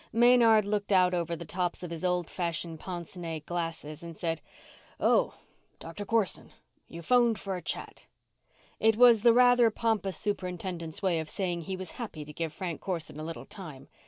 Maynard looked out over the tops of his old fashioned pince nez glasses and said, "Oh, Doctor Corson. You phoned for a chat." It was the rather pompous superintendent's way of saying he was happy to give Frank Corson a little time.